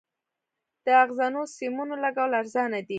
د اغزنو سیمونو لګول ارزانه دي؟